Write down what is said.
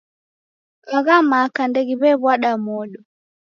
Agha maka ndeghiw'ew'wada modo.